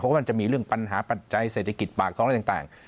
เพราะว่ามันจะมีเรื่องปัญหาปัจจัยเศรษฐกิจปากท้องอะไรต่าง